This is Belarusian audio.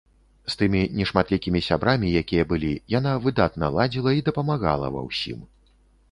З тымі нешматлікімі сябрамі, якія былі, яна выдатна ладзіла і дапамагала ва ўсім.